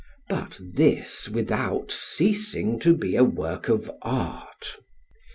But this without ceasing to be a work of art.